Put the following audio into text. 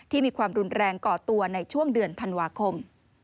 มีความรุนแรงก่อตัวในช่วงเดือนธันวาคม